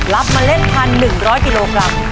รับเมล็ดพันธุ์๑๐๐กิโลกรัม